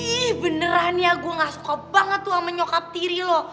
ih beneran ya gue gak suka banget tuh sama nyokap tiri lo